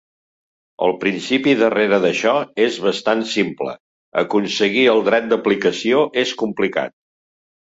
El principi darrere d'això és bastant simple; aconseguir el dret d'aplicació és complicat.